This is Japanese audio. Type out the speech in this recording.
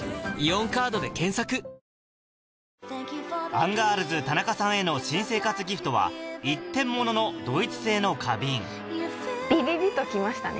アンガールズ・田中さんへの新生活ギフトは一点物のドイツ製の花瓶ビビビっときましたね。